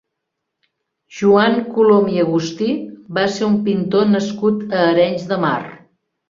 Joan Colom i Agustí va ser un pintor nascut a Arenys de Mar.